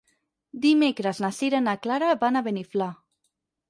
Dimecres na Sira i na Clara van a Beniflà.